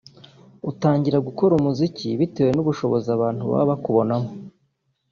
utangira gukora umuziki bitewe n’ubushobozi abantu baba bakubonamo